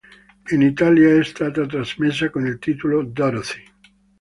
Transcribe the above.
In Italia è stata trasmessa con il titolo "Dorothy".